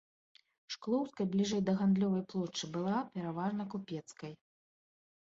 Шклоўскай бліжэй да гандлёвай плошчы была пераважна купецкай.